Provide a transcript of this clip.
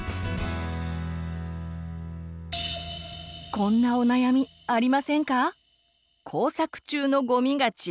こんなお悩みありませんか？